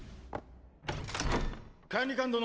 管理官殿。